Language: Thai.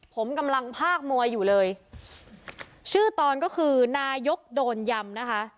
ผมกำลังภาคมวยอยู่เลยชื่อตอนก็คือนายกโดนยำนะคะ